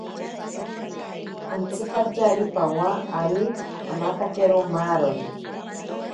Antsipatyari pawa ari amatakero maaroni.